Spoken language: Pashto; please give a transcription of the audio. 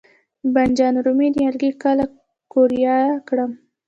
د بانجان رومي نیالګي کله قوریه کړم؟